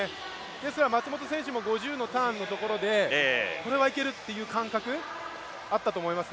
ですから松元選手も５０のターンのところで、これはいけるっていう感覚あったと思います。